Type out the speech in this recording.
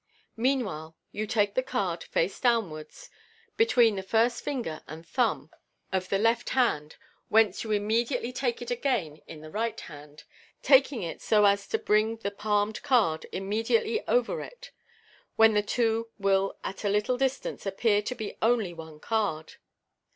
Meanwhile, you take the card, face downwards, be tween the first finger and thumb of the left hand, whence you immediately take it again in the right hand (see Fig. 19), taking it so as to bring the palmed card immediately over it, when the two will at a little distance appear to be only one card.